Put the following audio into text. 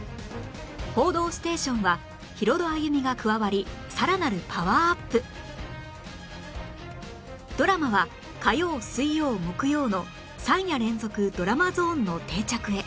『報道ステーション』はヒロド歩美が加わりさらなるパワーアップドラマは火曜水曜木曜の３夜連続ドラマゾーンの定着へ